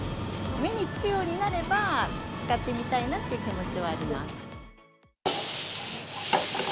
目につくようになれば、使ってみたいなという気持ちはあります。